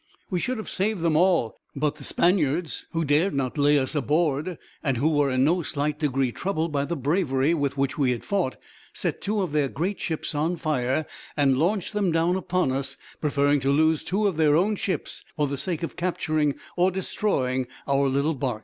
We should have saved them all, but the Spaniards, who dared not lay us aboard, and who were in no slight degree troubled by the bravery with which we had fought, set two of their great ships on fire, and launched them down upon us, preferring to lose two of their own ships for the sake of capturing or destroying our little bark.